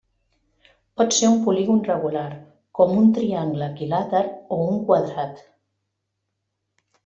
Pot ser un polígon regular, com un triangle equilàter o un quadrat.